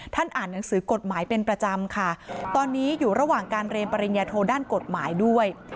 อ่านหนังสือกฎหมายเป็นประจำค่ะตอนนี้อยู่ระหว่างการเรียนปริญญาโทด้านกฎหมายด้วย